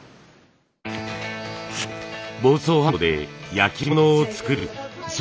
房総半島で焼き物を作る。